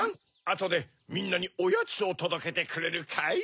あとでみんなにおやつをとどけてくれるかい？